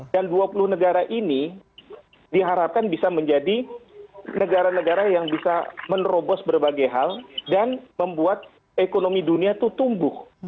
dan dua puluh negara ini diharapkan bisa menjadi negara negara yang bisa menerobos berbagai hal dan membuat ekonomi dunia itu tumbuh